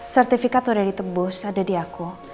sertifikat ada di tebus ada di aku